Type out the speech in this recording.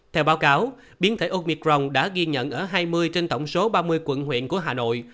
theo báo cáo biến thể omicron đã ghi nhận ở hai mươi trên tổng số ba mươi quận huyện của hà nội